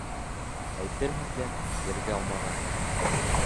Әйтерһең дә, ергә аумаған.